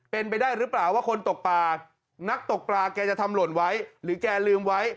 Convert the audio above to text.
เป็นไปได้หรือเปล่าว่าคนตกปลานักตกปลาแกจะทำหล่นไว้หรือแกลืมไว้